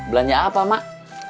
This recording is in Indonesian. belanja apa mak